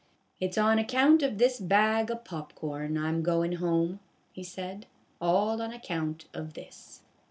" It 's on account of this bag o' pop corn I 'm goin' home," he said ; "all on account of this."